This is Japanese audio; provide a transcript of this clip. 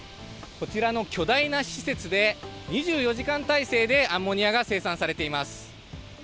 こちらの巨大な施設で、２４時間態勢でアンモニアが生産されています。